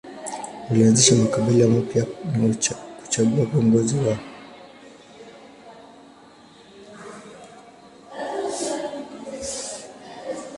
Walianzisha makabila mapya na kuchagua viongozi wao.